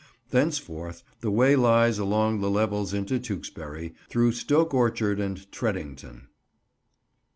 Thenceforward, the way lies along the levels into Tewkesbury, through Stoke Orchard and Treddington.